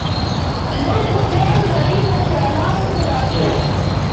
موږ به بیا د نړۍ په سیالانو کې راشو.